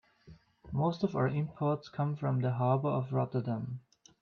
Most of our imports come from the harbor of Rotterdam.